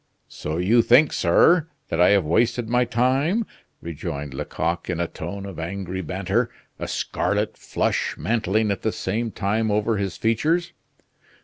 "So you think, sir, that I have wasted my time!" rejoined Lecoq in a tone of angry banter, a scarlet flush mantling at the same time over his features.